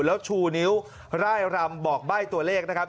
แล้วชูนิ้วร่ายรำบอกใบ้ตัวเลขนะครับ